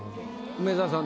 梅沢さん